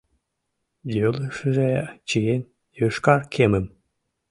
Йолешыже чиен йошкар кемым.